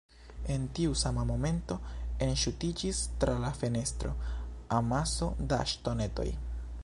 En tiu sama momento, enŝutiĝis tra la fenestro,, amaso da ŝtonetoj.